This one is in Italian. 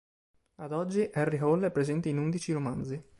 Ad oggi, Harry Hole è presente in undici romanzi.